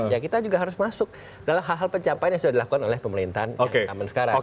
ya kita juga harus masuk dalam hal hal pencapaian yang sudah dilakukan oleh pemerintahan yang aman sekarang